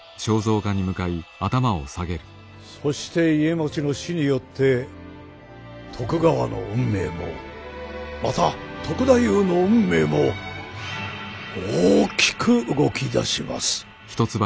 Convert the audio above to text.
そして家茂の死によって徳川の運命もまた篤太夫の運命も大きく動き出します。